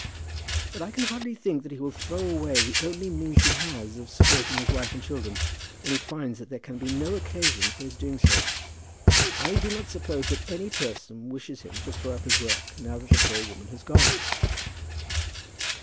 "But I can hardly think that he will throw away the only means he has of supporting his wife and children, when he finds that there can be no occasion for his doing so. I do not suppose that any person wishes him to throw up his work now that that poor woman has gone."